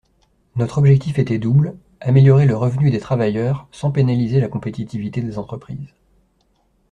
Notre objectif était double : améliorer le revenu des travailleurs sans pénaliser la compétitivité des entreprises.